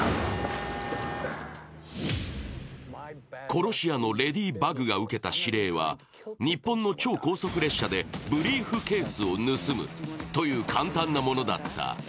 殺し屋のレディバグが受けた指令は日本の超高速列車でブリーフケースを盗むという簡単なものだった。